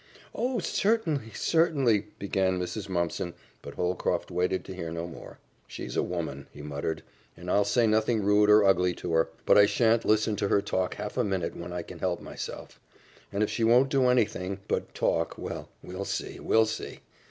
"Oh, certainly, certainly!" began Mrs. Mumpson, but Holcroft waited to hear no more. "She's a woman," he muttered, "and I'll say nothing rude or ugly to her, but I shan't listen to her talk half a minute when I can help myself; and if she won't do any thing but talk well, we'll see, we'll see!